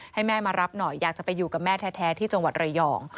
ให้แม่มารับหน่อยอยากจะไปอยู่กับแม่แท้ที่จังหวัดระยอง